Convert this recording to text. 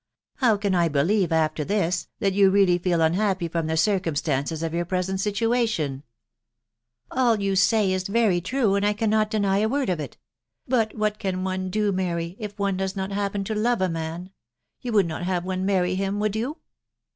How can I believe, after this, that you really feel unhappy from the p circumstances of your present situation ?"|" All that you say is very true, and I cannot deny a word i «£ it ;•••« but what can one do, Mary, if one does not hap t pea to love a man ?.... yea would not have one many him, would yew